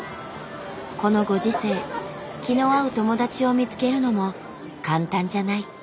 このご時世気の合う友達を見つけるのも簡単じゃない。